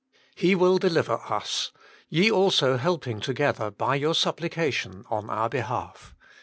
"He will deliver us; ye also helping together by your suppli cation on our behalf."